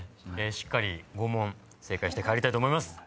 しっかり５問正解して帰りたいと思います。